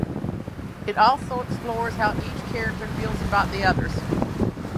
It also explores how each character feels about the others.